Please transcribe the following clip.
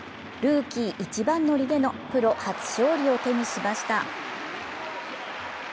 ルーキー一番乗りでのプロ初勝利を手にしました。